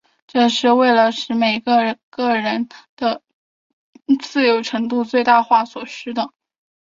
这是为了使每个个人的自由程度最大化所必需的。